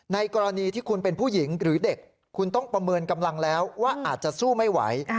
ในกรณีที่คุณเป็นผู้หญิงหรือเด็กคุณต้องประเมินกำลังแล้วว่าอาจจะสู้ไม่ไหว